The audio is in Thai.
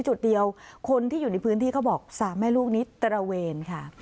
จุดเดียวคนที่อยู่ในพื้นที่เขาบอก๓แม่ลูกนี้ตระเวนค่ะ